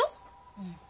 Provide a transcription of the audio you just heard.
うん。